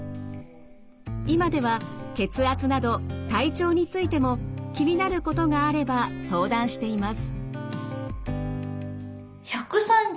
今では血圧など体調についても気になることがあれば相談しています。